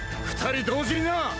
２人同時にな！